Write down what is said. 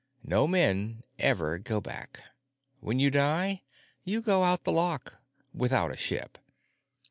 No men ever go back. When you die, you go out the lock—without a ship.